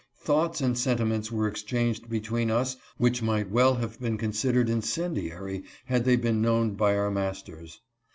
Thoughts and sentiments were exchanged between us which might well have been considered incendiary had they been known by our masters.